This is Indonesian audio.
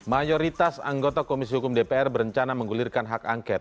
mayoritas anggota komisi hukum dpr berencana menggulirkan hak angket